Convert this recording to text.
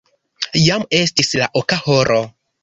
Jam estis la oka horo.